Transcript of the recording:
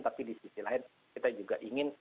tapi di sisi lain kita juga ingin